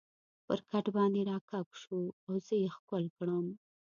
پر کټ باندې را کږ شو او زه یې ښکل کړم.